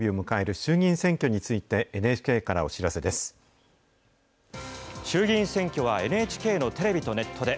衆議院選挙はＮＨＫのテレビとネットで。